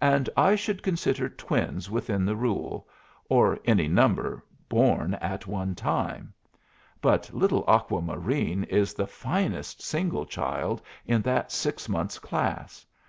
"And I should consider twins within the rule; or any number born at one time. But little Aqua Marine is the finest single child in that six months class.